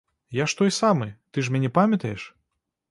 Я ж той самы, ты ж мяне памятаеш?